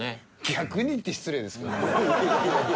「逆に」って失礼ですけどね。